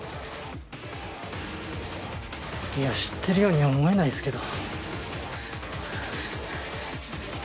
いや知ってるようには思えないっすけど。